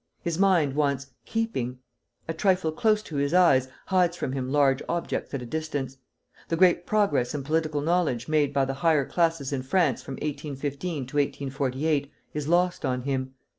His mind wants keeping. A trifle close to his eyes hides from him large objects at a distance.... The great progress in political knowledge made by the higher classes in France from 1815 to 1848 is lost on him.